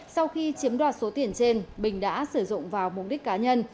sau khi chiếm đoạt số tiền trên bình đã sử dụng vào mục đích cá nhân